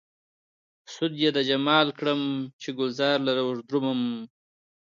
سود يې د جمال کړم، چې ګلزار لره ودرومم